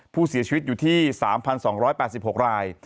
ผู้เสียชีวิตอยู่ที่๓๒๘๖ราย